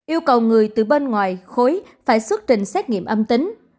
yêu cầu người từ bên ngoài khối phải xuất trình xét nghiệm âm tính